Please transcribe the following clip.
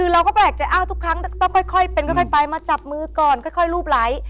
แล้วก็แบกจะอ้าวทุกครั้งต้องค่อยไปมานี่จับมือก่อนค่อยลูบไลท์